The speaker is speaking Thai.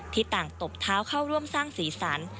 ต่างตบเท้าเข้าร่วมสร้างสีสัน